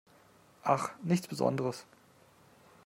Ach, nichts Besonderes.